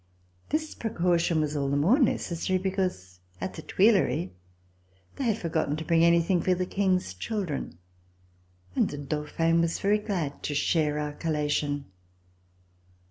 This precaution was all the more necessary, because at the Tuileries they had forgotten to bring anything for the King's children, and the Dauphin was very glad to share our collation.